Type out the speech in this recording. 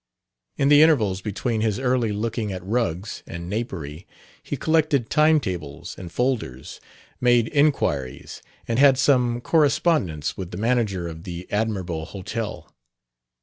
In the intervals between his early looking at rugs and napery he collected timetables and folders, made inquiries, and had some correspondence with the manager of the admirable hotel.